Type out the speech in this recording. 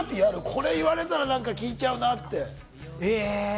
これ言われたら聞いちゃうなって。